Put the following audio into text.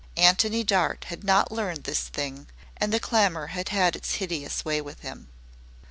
Antony Dart had not learned this thing and the clamor had had its hideous way with him.